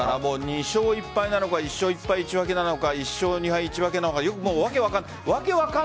２勝１敗なのか２勝１敗１分なのか１勝２敗１分なのか訳分からない。